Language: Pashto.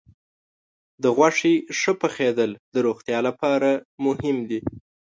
د غوښې ښه پخېدل د روغتیا لپاره مهم دي.